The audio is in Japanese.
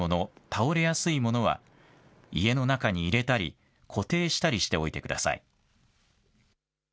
倒れやすいものは家の中に入れたり固定したりしておいてください。